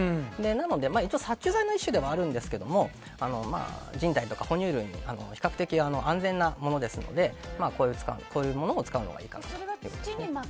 なので、一応殺虫剤の一種ではあるんですが人体や哺乳類に比較的、安全なものですんでこういうものを使うのがいいかなと思いますね。